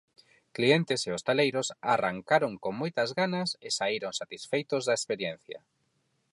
Clientes e hostaleiros arrancaron con moitas ganas e saíron satisfeitos da experiencia.